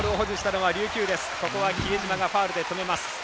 比江島がファウルで止めます。